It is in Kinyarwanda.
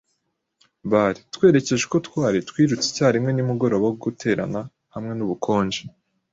Bare- twerekeje uko twari, twirutse icyarimwe nimugoroba wo guterana hamwe n'ubukonje